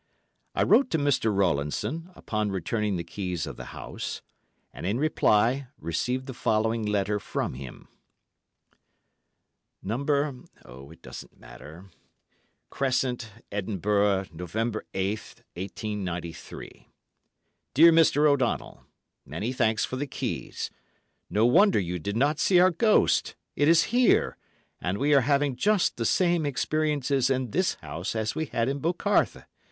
I wrote to Mr. Rowlandson, upon returning the keys of the house, and, in reply, received the following letter from him:— No. —, C—— Crescent, Edinburgh. November 8th, 1893. Dear Mr. O'Donnell, Many thanks for the keys. No wonder you did not see our ghost! It is here, and we are having just the same experiences in this house as we had in "Bocarthe."